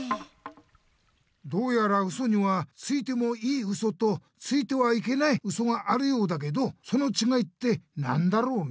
どうやらウソにはついてもいいウソとついてはいけないウソがあるようだけどそのちがいって何だろうね？